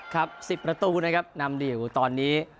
ครับ๑๐ประตูนะครับนำดิวตอนนี้